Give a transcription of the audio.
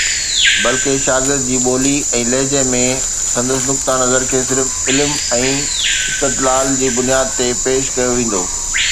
بلڪه، شاگرد جي ٻولي ۽ لهجي ۾، سندس نقطه نظر کي صرف علم ۽ استدلال جي بنياد تي پيش ڪيو ويندو